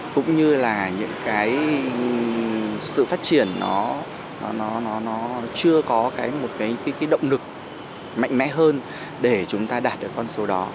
cũng như là những cái sự phát triển nó chưa có một cái động lực mạnh mẽ hơn để chúng ta đạt được con số đó